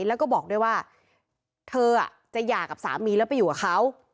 แล้วก็บอกด้วยว่าเธอจะหย่ากับสามีแล้วไปอยู่กับเขา